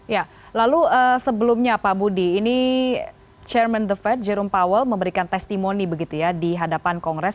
ya lalu sebelumnya pak budi ini chairman the fed jerome powell memberikan testimoni begitu ya di hadapan kongres